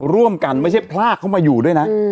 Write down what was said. ร่วมกันไม่ใช่พลากเข้ามาอยู่ด้วยนะ